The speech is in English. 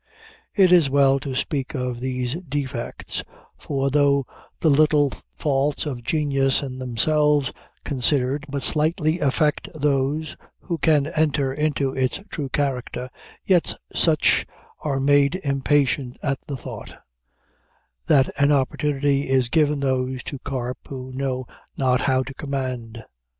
It is well to speak of these defects, for though the little faults of genius, in themselves considered, but slightly affect those who can enter into its true character, yet such are made impatient at the thought, that an opportunity is given those to carp who know not how to commend.